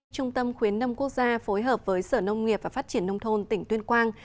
trung tâm khuyến nông quốc gia phối hợp với sở nông nghiệp và phát triển nông thôn tỉnh tuyên quang